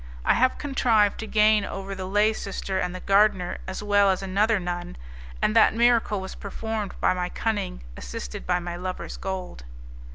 I have contrived to gain over the lay sister and the gardener, as well as another nun, and that miracle was performed by my cunning assisted by my lover's gold.